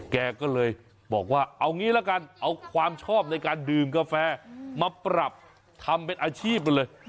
แกก็เลยบอกว่าเอางี้ละกันเอาความชอบในการดื่มกาแฟมาปรับทำเป็นอาชีพมันเลย